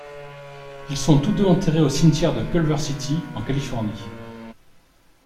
Ils sont tous deux enterrés au cimetière de Culver City en Californie.